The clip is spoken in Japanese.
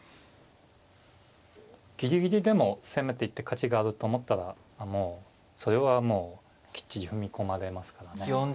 ギリギリでも攻めていって勝ちがあると思ったらそれはもうきっちり踏み込まれますからね。